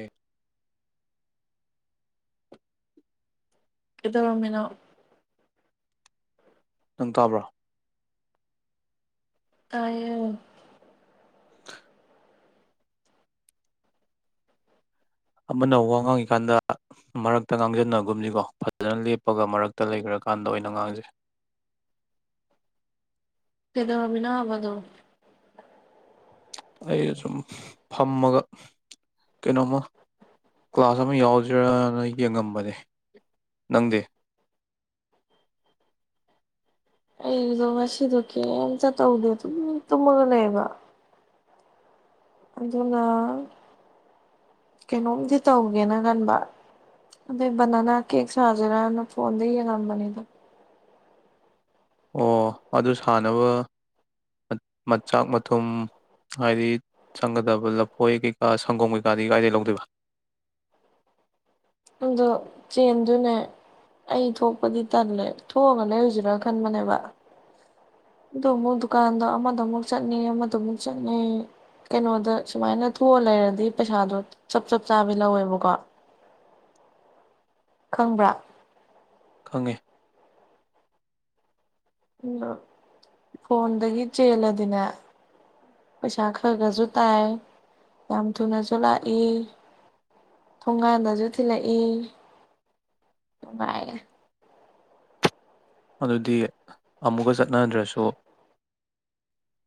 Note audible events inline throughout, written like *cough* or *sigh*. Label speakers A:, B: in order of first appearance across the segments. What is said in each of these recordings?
A: ꯎ
B: ꯀꯗꯧꯔꯃꯤꯅꯣ
A: ꯅꯪ ꯇꯥꯕ꯭ꯔꯣ
B: ꯇꯥꯢꯑꯦ
A: ꯑꯃꯅ ꯋꯥ ꯉꯥꯡꯉꯤꯀꯥꯟꯗ ꯃꯔꯛꯇ ꯉꯥꯡꯁꯤꯟꯅꯒꯨꯝꯅꯤꯀꯣ ꯐꯖꯅ ꯂꯦꯞꯄꯒ ꯃꯔꯛꯇ ꯂꯩꯈ꯭ꯔꯀꯥꯟꯗ ꯑꯣꯏꯅ ꯉꯥꯡꯖꯩ
B: ꯀꯗꯧꯕꯤꯅꯥꯕꯗꯨꯣ
A: ꯑꯩ ꯁꯨꯝ ꯐꯝꯃꯒ ꯀꯩꯅꯣꯃ ꯀ꯭ꯂꯥꯁ ꯑꯃ ꯌꯥꯎꯁꯤꯔꯅ ꯌꯦꯡꯉꯝꯕꯅꯦ
B: *inaudible*
A: ꯇꯪꯗꯦ
B: ꯑꯩꯗꯣ ꯉꯥꯁꯤꯗꯣ ꯀꯔꯤꯞꯇ ꯇꯧꯗꯦ ꯑꯗꯨꯝ ꯇꯨꯝꯃꯒ ꯂꯩꯑꯦꯕ ꯑꯗꯨꯅ ꯀꯩꯅꯣꯝꯗꯤ ꯇꯧꯒꯦꯅ ꯈꯟꯕ ꯑꯗꯩ ꯕꯅꯅꯥ ꯀꯦꯛ ꯁꯥꯁꯤꯔꯅ ꯐꯣꯟꯗ ꯌꯦꯡꯉꯝꯕꯅꯤꯗ
A: ꯑꯣ ꯑꯗꯨ ꯁꯥꯟꯅꯕ ꯃꯆꯥꯛ ꯃꯊꯨꯝ ꯍꯥꯏꯗꯤ ꯆꯪꯒꯗꯕ ꯂꯐꯣꯏ ꯀꯩꯀꯥ ꯁꯪꯒꯣꯝ ꯀꯩꯀꯥꯗꯤ ꯀꯥꯏꯗꯒꯤꯩ ꯂꯧꯗꯣꯏꯕ
B: ꯑꯗꯣ ꯆꯦꯟꯗꯨꯅꯦ ꯑꯩ ꯊꯣꯛꯄꯗꯤ ꯇꯜꯂꯦ ꯊꯣꯛꯑꯒ ꯂꯩ ꯍꯧꯁꯤꯔꯥ ꯈꯟꯕꯅꯦꯕ ꯑ ꯑꯃꯨꯛ ꯗꯨꯀꯥꯟꯗꯣ ꯑꯃꯗ ꯑꯃꯨꯛ ꯆꯠꯅꯤ ꯑꯃꯗꯃꯨꯛ ꯆꯠꯅꯤ ꯀꯩꯅꯣꯗ ꯁꯨꯃꯥꯏꯅ ꯊꯣꯛꯑ ꯂꯩꯔꯗꯤ ꯄꯩꯁꯥꯗꯣ ꯆꯞ ꯆꯞ ꯆꯥꯕꯤ ꯂꯧꯋꯦꯕꯀꯣ ꯈꯪꯕ꯭ꯔꯥ
A: ꯐꯉ
B: ꯑꯗꯣ ꯐꯣꯟꯗꯒꯤ ꯆꯦꯜꯂꯗꯅ ꯄꯩꯁꯥ ꯈꯔ ꯈꯔꯁꯨ ꯇꯥꯏ ꯌꯥꯝ ꯊꯨꯅꯁꯨ ꯂꯥꯛꯏ ꯊꯣꯡꯒꯥꯟꯗꯁꯨ ꯊꯤꯜꯂꯛꯏ ꯅꯨꯡꯉꯥꯏꯌꯦꯦ
A: ꯑꯗꯨꯗꯤ ꯑꯃꯨꯛꯀ ꯆꯠꯅꯗ꯭ꯔꯁꯨ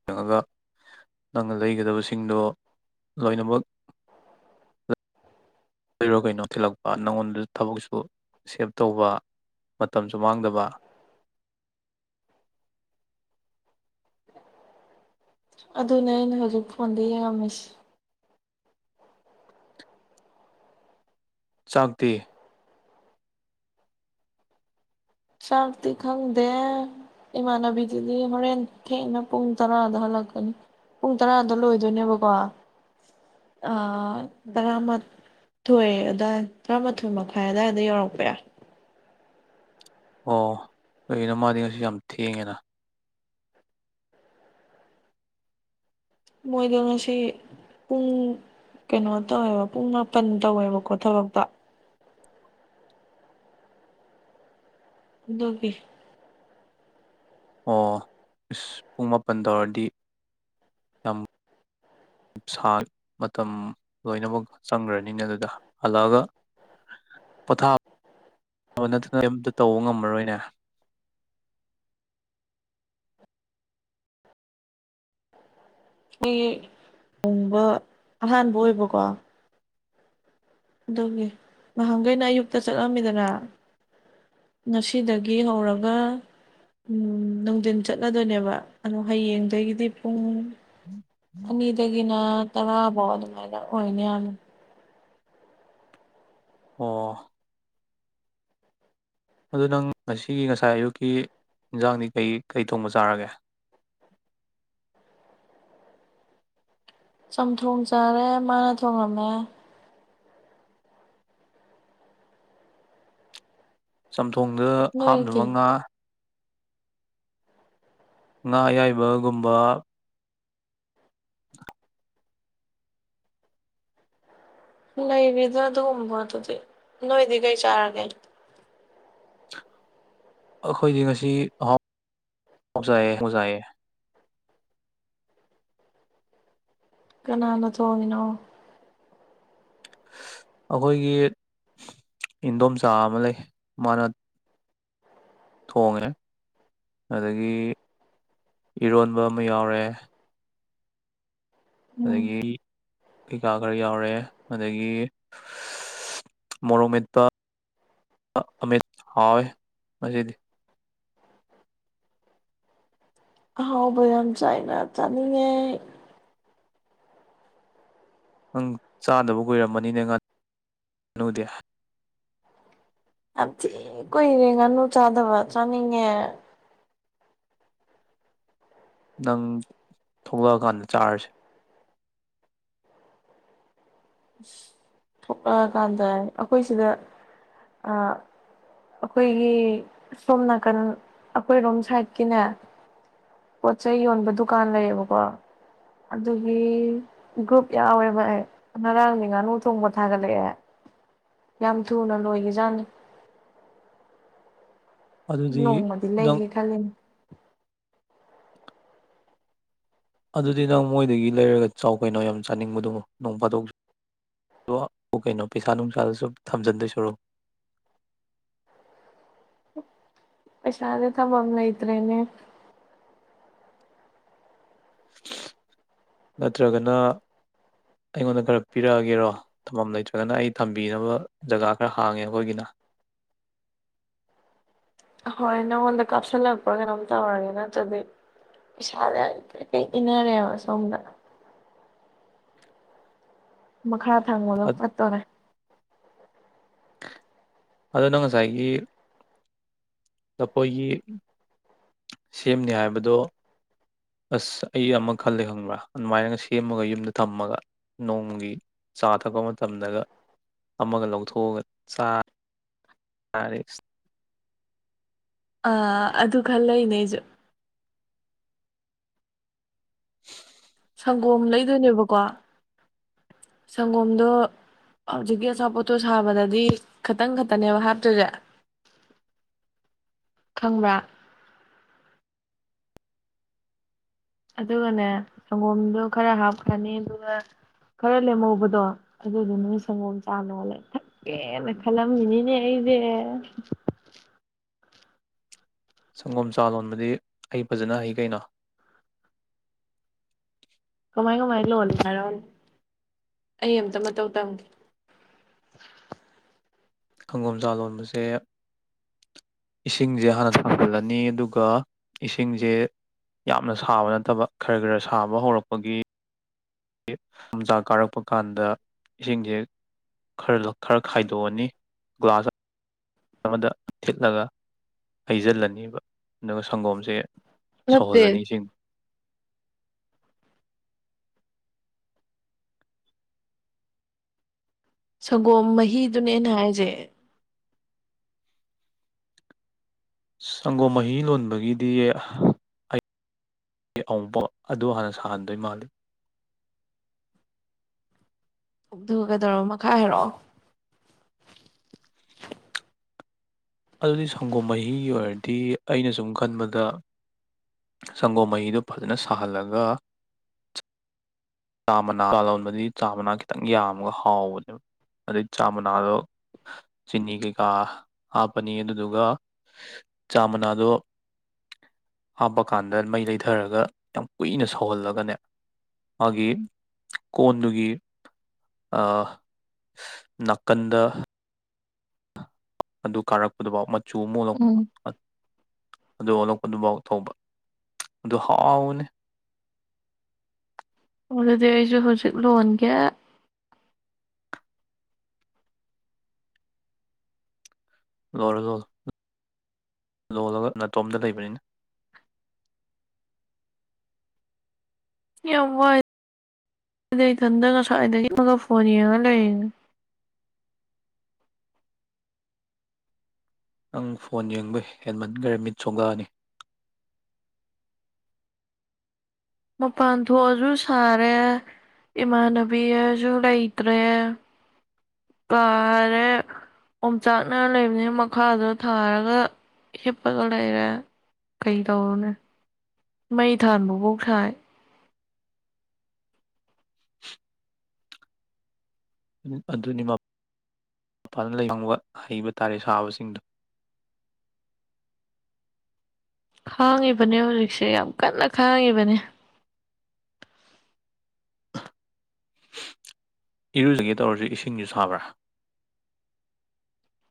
A: ꯌꯦꯡꯉꯒ ꯅꯪꯅ ꯂꯩꯒꯗꯕꯁꯤꯡꯗꯣ ꯂꯣꯏꯅꯃꯛ ꯀꯔꯣ ꯀꯩ ꯅꯣꯛꯊꯤꯜꯂꯛꯄ ꯅꯪꯉꯣꯟꯗ ꯊꯕꯛꯁꯨ ꯁꯦꯞ ꯇꯧꯕ ꯃꯇꯝꯁꯨ ꯃꯥꯡꯗꯕ
B: ꯑꯗꯨꯅꯦ ꯑꯩꯅ ꯍꯧꯖꯤꯛ ꯐꯣꯟꯗ ꯌꯦꯡꯔꯝꯃꯤꯁꯤ
A: ꯆꯥꯛꯇꯤ
B: ꯆꯥꯛꯇꯤ ꯈꯪꯗꯦ ꯏꯃꯥꯟꯅꯕꯤꯗꯨꯗꯤ ꯍꯣꯔꯦꯟ ꯊꯦꯡꯅ ꯄꯨꯡ ꯇꯔꯥꯗ ꯍꯜꯂꯛꯀꯅꯤ ꯄꯨꯡ ꯇꯔꯥꯗ ꯂꯣꯏꯗꯣꯏꯅꯦꯕꯀꯣ ꯇꯔꯥꯃꯥꯊꯣꯏ ꯑꯗꯨꯋꯥꯏ ꯇꯔꯥꯃꯥꯊꯣꯏ ꯃꯈꯥꯏ ꯑꯗꯨꯋꯥꯏꯗ ꯌꯧꯔꯛꯄ ꯌꯥꯏ
A: ꯑꯣ ꯀꯅꯣ ꯃꯥꯗꯤ ꯉꯁꯨ ꯌꯥꯝ ꯊꯦꯡꯉꯦꯅ
B: ꯃꯣꯏꯗꯣ ꯉꯁꯤ ꯄꯨꯡ ꯀꯩꯅꯣ ꯇꯧꯋꯦꯕ ꯄꯨꯡ ꯃꯥꯄꯟ ꯇꯧꯋꯦꯕꯀꯣ ꯊꯕꯛꯇ ꯑꯗꯨꯕꯤ
A: ꯑꯣ ꯏꯁꯁ ꯄꯨꯡ ꯃꯥꯄꯜ ꯇꯧꯔꯗꯤ ꯌꯥꯝꯃ ꯁꯥ ꯃꯇꯝ ꯂꯣꯏꯅꯃꯛ ꯆꯪꯈ꯭ꯔꯅꯤꯅꯦ ꯑꯗꯨꯗ ꯍꯜꯂꯛꯑꯒ ꯄꯣꯊꯥꯕ ꯅꯠꯇꯅ ꯑꯝꯇ ꯇꯧꯕ ꯉꯝꯃꯔꯣꯏꯅꯦ
B: ꯑꯩ ꯊꯣꯡꯕ ꯑꯍꯥꯟꯕ ꯑꯣꯏꯕꯀꯣ ꯑꯗꯨꯒꯤ ꯅꯍꯥꯟꯈꯩꯅ ꯑꯌꯨꯛꯇ ꯆꯠꯂꯝꯃꯤꯗꯅ ꯉꯁꯤꯗꯒꯤ ꯍꯧꯔꯒ ꯅꯨꯡꯊꯤꯟ ꯆꯠꯂꯗꯣꯏꯅꯦꯕ ꯑꯗꯣ ꯍꯌꯦꯡꯗꯒꯤꯗꯤ ꯄꯨꯡ ꯑꯗꯒꯤꯅ ꯇꯔ ꯣꯗ ꯃ ꯑꯣꯏꯅꯦꯅ
A: ꯑꯣ ꯑꯗꯨ ꯅꯪ ꯉꯁꯤꯒꯤ ꯉꯁꯥꯏ ꯑꯌꯨꯛꯀꯤ ꯏꯟꯖꯥꯡꯗꯤ ꯀꯩ ꯀꯩ ꯊꯣꯡꯕ ꯆꯥꯔꯒꯦ
B: ꯆꯝꯊꯣꯡ ꯆꯔꯦ ꯃꯥꯅ ꯊꯣꯉꯝꯃꯦ
A: ꯁꯊꯣ ꯇꯨꯡꯗ ꯍꯥꯞꯅ
B: ꯅꯣꯏꯗꯤ
A: ꯃꯉꯥ ꯉꯥ ꯑꯌꯥꯏꯕꯒꯨꯝꯕ *inaudible*
B: ꯂꯩꯕꯤꯗ ꯑꯗꯨꯒꯨꯝꯕ ꯑꯗꯨꯗꯤ ꯅꯣꯏꯗꯤ ꯀꯩ ꯆꯥꯔꯒꯦ
A: ꯑꯩꯈꯣꯏꯗꯤ ꯉꯁꯤꯥꯎꯖꯥꯏꯑꯥꯎꯖꯥꯏꯌꯦ
B: ꯀꯅꯥꯅ ꯊꯣꯡꯉꯤꯅꯣ
A: ꯑꯩꯈꯣꯏꯒꯤ ꯏꯟꯗꯣꯝꯆꯥ ꯑꯃ ꯂꯩ ꯃꯥꯅ ꯊꯣꯡꯉꯦ ꯑꯗꯒꯤ ꯏꯔꯣꯟꯕ ꯑꯃ ꯌꯥꯎꯔꯦ
B: ꯎꯝ
A: ꯑꯗꯒꯤ ꯀꯩꯀꯥ ꯈꯔ ꯌꯥꯎꯔꯦ ꯑꯗꯒꯤ ꯃꯣꯔꯣꯛ ꯃꯦꯠꯄ ꯑꯃꯤꯠ ꯍꯥꯎꯋꯦ ꯃꯁꯤꯗꯤ
B: ꯍꯥꯎꯕ ꯌꯥꯝ ꯆꯥꯏꯅ ꯆꯅꯤꯡꯉꯦ
A: ꯅꯪ ꯆꯥꯗꯕ ꯀꯨꯏꯔꯝꯃꯅꯤꯅꯦ ꯉꯅꯨꯗꯤ
B: ꯌꯥꯝ ꯊꯤ ꯀꯨꯏꯔꯦ ꯉꯥꯅꯨ ꯆꯥꯗꯕ ꯆꯥꯅꯤꯡꯉꯦ
A: ꯅꯪ ꯊꯣꯛꯂꯛꯑꯀꯥꯟꯗ ꯆꯥꯔꯁꯦ
B: ꯊꯣꯛꯂꯛꯑꯀꯥꯟꯗ ꯑꯩꯈꯣꯏ ꯁꯤꯗ ꯑꯩꯈꯣꯏꯒꯤ ꯁꯣꯝ ꯅꯥꯀꯟ ꯑꯩꯈꯣꯏꯔꯣꯝ ꯁꯥꯏꯠꯀꯤꯅꯦ ꯄꯣꯠ ꯆꯩꯩ ꯌꯣꯟꯕ ꯗꯨꯀꯥꯟ ꯂꯩꯌꯦꯕꯀꯣ ꯑꯗꯨꯒꯤ ꯒ꯭ꯔꯨꯞ ꯌꯥꯎꯋꯦꯕ ꯑꯩ ꯉꯔꯥꯡꯅꯤ ꯉꯥꯅꯨ ꯆꯣꯡꯕ ꯊꯥꯒꯠꯂꯛꯑꯦ ꯌꯥꯝ ꯊꯨꯅ ꯂꯣꯏꯒꯤꯖꯥꯠꯅꯤ
A: ꯑꯗꯨꯗꯤ
B: ꯅꯣꯡꯃꯗꯤ
A: ꯅꯪ
B: ꯂꯩꯒꯦ ꯈꯜꯂꯤꯅꯦ
A: ꯑꯗꯨꯗꯤ ꯅꯪ ꯃꯣꯏꯗꯒꯤ ꯂꯩꯔꯒ ꯆꯥꯎ ꯀꯩꯅꯣ ꯌꯥꯝ ꯆꯥꯅꯤꯡꯕꯗꯨꯃꯣ ꯅꯣꯡ ꯐꯥꯗꯣꯛ ꯀꯩꯅꯣ ꯄꯩꯁꯥ ꯅꯨꯡꯁꯥꯗꯁꯨ ꯊꯝꯖꯤꯟꯗꯣꯏ ꯁꯨꯔꯣ
B: ꯄꯩꯁꯥꯁꯦ ꯊꯝꯕꯝ ꯂꯩ ꯏꯇꯔꯦꯅꯦ
A: ꯅꯠꯇ꯭ꯔꯒꯅ ꯑꯩꯉꯣꯟꯗ ꯈꯔ ꯄꯤꯔꯛꯑꯒꯦꯔꯣ ꯊꯝꯐꯝꯝ ꯂꯩꯇ꯭ꯔꯒꯅ ꯑꯩ ꯊꯝꯕꯤꯅꯕ ꯖꯒꯥ ꯈꯔ ꯍꯥꯡꯉꯦ ꯑꯩꯈꯣꯏꯒꯤꯅ
B: ꯍꯣꯏ ꯅꯪꯉꯣꯟꯗ ꯀꯥꯞꯁꯤꯜꯂꯛꯄ꯭ꯔꯥ ꯀꯩꯅꯣꯝ ꯇꯧꯔꯒꯦ ꯅꯠꯇ꯭ꯔꯗꯤ ꯄꯩꯁꯥꯁꯤ ꯀꯔꯤꯛ ꯀꯔꯤꯛ ꯏꯟꯅꯔꯦꯕ ꯁꯣꯝꯗ ꯃꯈꯥ ꯊꯪꯕꯗꫭ ꯄꯠꯇꯣꯔꯦ *unintelligible*
A: ꯑꯗꯨꯅ ꯉꯁꯥꯏꯒꯤ ꯑꯩꯈꯣꯏꯒꯤ ꯁꯦꯝꯅꯤ ꯍꯥꯏꯕꯗꯣ ꯑꯁ ꯑꯩ ꯑꯃ ꯈꯜꯂꯦ ꯈꯪꯕ꯭ꯔꯥ ꯑꯗꯨꯃꯥꯏꯅꯒ ꯁꯦꯝꯃꯒ ꯌꯨꯝꯗ ꯊꯝꯃꯒ ꯅꯣꯡꯃꯒꯤ ꯆꯥ ꯊꯛꯄ ꯃꯇꯝꯗꯒ ꯑꯃꯒ ꯂꯧꯊꯣꯛꯑꯒ ꯆꯥ ꯇꯔ
B: ꯑꯥ ꯑꯗꯨ ꯈꯜꯂꯛꯅꯦ ꯑꯩꯁꯨ ꯁꯪꯒꯣꯝ ꯂꯩꯗꯣꯏꯅꯦꯕꯀꯣ ꯁꯪꯒꯣꯝꯗꯣ ꯍꯧꯖꯤꯛꯀꯤ ꯑꯆꯥꯄꯣꯠꯇꯣ ꯁꯥꯕꯗꯗꯤ ꯈꯇꯪ ꯈꯛꯇꯅꯦꯕ ꯍꯥꯞꯇ꯭ꯁꯦ ꯈꯪꯕ꯭ꯔꯥ ꯑꯗꯨꯒꯅꯦ ꯁꯪꯒꯣꯝꯗꯣ ꯈꯔ ꯍꯥꯞꯈ꯭ꯔꯅꯤ ꯑꯗꯨꯒ ꯈꯔ ꯂꯦꯝꯍꯧꯕꯗꯣ ꯑꯗꯨꯗꯨꯅꯥ ꯁꯪꯒꯣꯝ ꯆꯥꯅꯣꯜꯂ ꯊꯛꯀꯦꯅ ꯈꯜꯂꯝꯃꯤꯅꯤꯅꯦ ꯑꯩꯁꯦ
A: ꯁꯪꯒꯣꯝ ꯆꯥ ꯂꯣꯟꯕꯗꯤ ꯑꯩ ꯐꯖꯅ ꯍꯩ ꯀꯩꯅꯣ
B: ꯀꯃꯥꯏ ꯀꯃꯥꯏ ꯂꯣꯜꯂꯤ ꯍꯥꯏꯔꯛꯑꯣꯅ ꯑꯩ ꯑꯃꯝꯇ ꯃꯇꯧ ꯇꯝꯒꯦ
A: ꯁꯪꯒꯣꯝꯆꯥ ꯂꯣꯟꯕꯁꯦ ꯏꯁꯤꯡꯁꯦ ꯍꯥꯟꯅ ꯊꯖꯤꯜꯂꯅꯤ ꯑꯗꯨꯒ ꯏꯁꯤꯡꯁꯦ ꯌꯥꯝꯅ ꯁꯥꯕ ꯅꯠꯇꯕ ꯈꯔ ꯈꯔ ꯁꯥꯕ ꯍꯧꯔꯛꯄꯒꯤ ꯄꯨꯝꯇꯥꯛ ꯀꯥꯔꯛꯄ ꯀꯥꯟꯗ ꯏꯁꯤꯡꯁꯦ ꯈꯔ ꯈꯔ ꯈꯥꯏꯗꯣꯛꯑꯅꯤ ꯒ꯭ꯂꯥꯁ ꯑꯃꯗ ꯊꯤꯠꯂꯒ ꯍꯩꯖꯤꯜꯂꯅꯦꯕ ꯑꯗꯨꯒ ꯁꯪꯒꯣꯝꯁꯦ
B: ꯅꯠꯇꯦ
A: ꯁꯧꯍꯣꯜꯂꯅꯤ ꯏꯁꯤꯡ
B: ꯁꯪꯒꯣꯝ ꯃꯍꯤꯗꯨꯅꯦꯩꯅ ꯍꯥꯏꯁꯦ
A: ꯁꯪꯒꯣꯝ ꯃꯍꯤ ꯂꯣꯟꯕꯒꯤꯗꯤ ꯑꯩ ꯑꯃꯨꯛꯐꯥꯎ ꯑꯗꯨ ꯍꯥꯟꯅ ꯁꯥꯍꯟꯗꯣꯏ ꯃꯥꯜꯂꯤ
B: ꯑꯗꯨꯒ ꯀꯩꯗꯧꯔꯣ ꯃꯈꯥꯏ ꯍꯥꯏꯔꯛꯑꯣ
A: ꯑꯗꯨꯗꯤ ꯁꯪꯒꯣꯝ ꯃꯍꯤꯒꯤ ꯑꯣꯏꯔꯗꯤ ꯑꯩꯅ ꯁꯨꯝ ꯈꯟꯕꯗ ꯁꯪꯒꯣꯝ ꯃꯍꯤꯗꯨ ꯐꯖꯅ ꯁꯥꯍꯜꯂꯒ ꯆꯥ ꯃꯅꯥ ꯂꯥꯂꯣꯟꯕꯗꯤ ꯆꯥ ꯃꯅꯥ ꯈꯤꯇꯪ ꯌꯥꯝꯃꯒ ꯍꯥꯎꯕꯅꯦꯕ ꯑꯗꯨꯗꯩ ꯆꯥ ꯃꯅꯥꯗꯣ ꯆꯤꯅꯤ ꯀꯩꯀꯥ ꯍꯥꯞꯄꯅꯤ ꯑꯗꯨꯗꯨꯒ ꯆꯥ ꯃꯅꯥꯗꯣ ꯍꯥꯞꯄ ꯀꯥꯟꯗ ꯃꯩ ꯂꯩꯊꯔꯒ ꯌꯥꯝ ꯀꯨꯏꯅ ꯁꯧꯍꯜꯂꯒꯅꯦ ꯃꯥꯒꯤ ꯀꯣꯟꯗꯨꯒꯤ ꯅꯥꯀꯟꯗ ꯑꯗꯨ ꯀꯥꯔꯛꯄꯗꯨꯐꯥꯎ ꯆꯨ ꯃꯨꯂ
B: ꯎꯝ
A: ꯑꯗꯨ ꯑꯣꯂꯛꯄꯗꯨꯐꯥꯎ ꯊꯧꯕ ꯑꯗꯨ ꯍꯥꯎꯋꯅꯤ
B: ꯑꯗꯨꯗꯤ ꯑꯩꯁꯨ ꯍꯧꯖꯤꯛ ꯂꯣꯟꯒꯦ
A: ꯂꯣꯜꯂ ꯂꯣꯂ ꯂꯣꯜꯂꯒ ꯅꯥꯇꯣꯝꯗ ꯂꯩꯕꯅꯤꯅ
B: ꯌꯥꯝ ꯋꯥꯏꯗ ꯏꯊꯟꯗ ꯉꯁꯥꯏꯗꯒꯤ ꯑꯃꯒ ꯐꯣꯅꯤꯉ ꯂꯩꯦ
A: ꯅꯪ ꯐꯣꯟ ꯌꯦꯡꯕ ꯍꯦꯟꯃꯟꯈꯔ ꯃꯤꯠ ꯆꯣꯒꯑꯅꯤ
B: ꯃꯄꯥꯟ ꯊꯣꯛꯑꯁꯨ ꯁꯥꯔꯦ ꯏꯃꯥꯟꯅꯕꯤꯁꯨ ꯂꯩꯇ꯭ꯔꯦ ꯀꯥꯔꯦ ꯑꯣꯣꯡꯆꯥꯛꯅ ꯂꯩꯕꯅꯤ ꯃꯈꯥꯗꯣ ꯊꯥꯔꯒ ꯍꯤꯞꯄꯒ ꯂꯩꯔꯦ ꯀꯩ ꯇꯧꯔꯨꯅꯦ ꯃꯩ ꯊꯥꯟꯥꯟꯕꯕꯧ ꯊꯥꯏ
A: ꯑꯗꯨꯅꯤ ꯃꯄꯥꯗ ꯂꯩꯕ ꯍꯩꯕ ꯇꯥꯔꯦ ꯁꯥꯕꯁꯤꯡꯗꯣ
B: ꯈꯥꯡꯉꯤꯕꯅꯦ ꯍꯧꯖꯤꯛꯁꯦ ꯌꯥꯝ ꯀꯟꯅ ꯈꯥꯡꯉꯤꯕꯅꯤ
A: ꯏꯔꯨꯖꯉꯦ ꯇꯧꯔꯁꯨ ꯏꯁꯤꯡꯁꯨ ꯁꯥꯕ꯭ꯔꯥ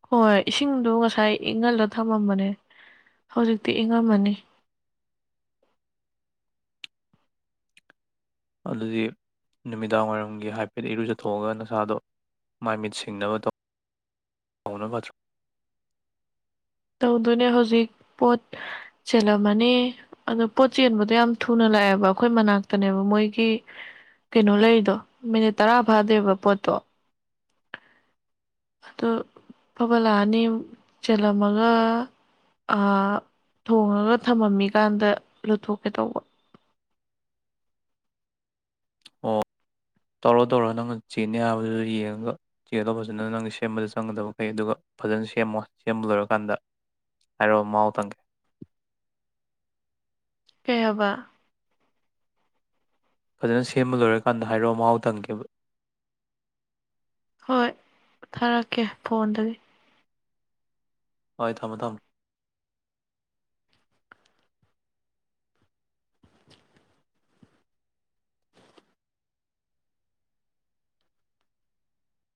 B: ꯍꯣꯏ ꯏꯁꯤꯡꯗꯣ ꯉꯁꯥꯏ ꯏꯪꯍꯜꯂ ꯊꯝꯃꯝꯕꯅꯦ ꯍꯧꯖꯤꯛꯇꯤ ꯏꯪꯉꯝꯃꯅꯤ
A: ꯑꯗꯨꯗꯤ ꯅꯨꯃꯤꯗꯥꯡꯋꯥꯏꯔꯝꯒꯤ ꯍꯥꯏꯐꯦꯠ ꯏꯔꯨꯖꯊꯣꯛꯑꯒ ꯅꯁꯥꯗꯣ ꯃꯥꯏ ꯃꯤꯠ ꯁꯤꯡꯅꯕ ꯇꯧ ꯇꯊ
B: ꯇꯧꯗꯣꯏꯅꯦ ꯍꯧꯖꯤꯛ ꯄꯣꯠ ꯆꯦꯜꯂꯝꯃꯅꯤ ꯑꯣ ꯄꯣꯠ ꯆꯦꯟꯕꯗꯣ ꯌꯥꯝ ꯊꯨꯅ ꯂꯥꯛꯑꯦꯕ ꯑꯩꯈꯣꯏ ꯃꯅꯥꯛꯇꯅꯦꯕ ꯃꯣꯏꯒꯤ ꯀꯩꯅꯣ ꯂꯩꯔꯤꯗꯣ ꯃꯤꯅꯤꯠ ꯇꯔꯥ ꯐꯥꯗꯦꯕ ꯄꯣꯠꯇꯣ ꯑꯗꯨ ꯐꯕꯠ ꯂꯥꯛꯑꯅꯤ ꯆꯦꯜꯂꯝꯂꯝꯃꯒ ꯊꯣꯉꯒ ꯊꯝꯃꯝꯃꯤꯀꯥꯟꯗ ꯂꯧꯨꯊꯣꯛꯀꯦ ꯇꯧꯕ
A: ꯑꯣ ꯇꯧꯔꯣ ꯇꯧꯔꯣ ꯅꯪꯅ ꯆꯦꯅꯦ ꯍꯥꯏꯕꯗꯨ ꯌꯦꯡꯉꯒ ꯆꯦꯗꯣ ꯐꯖꯅ ꯅꯪꯅ ꯁꯦꯝꯕꯗ ꯆꯪꯒꯗꯕꯈꯩ ꯑꯗꯨꯒ ꯐꯖꯅ ꯁꯦꯝꯃꯣ ꯁꯦꯝꯕ ꯂꯣꯏꯔꯀꯥꯟꯗ ꯍꯥꯏꯔꯛꯑꯣ ꯃꯍꯥꯎ ꯇꯪꯒꯦ
B: ꯀꯩꯍꯕ
A: ꯐꯖꯅ ꯁꯦꯝꯕ ꯂꯣꯏꯔꯀꯥꯟꯗ ꯍꯥꯏꯔꯑꯣ ꯃꯍꯥꯎ ꯇꯪꯈꯤꯕ
B: ꯍꯣꯏ ꯊꯥꯔꯛꯀꯦ ꯐꯣꯟꯗꯒꯤ
A: ꯍꯣꯏ ꯊꯝꯃꯦꯣ ꯊꯝꯃꯦ